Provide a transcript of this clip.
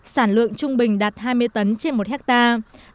sản lượng trung bình đạt hai mươi tấn trên một hectare